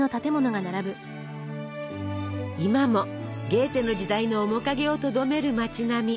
今もゲーテの時代の面影をとどめる町並み。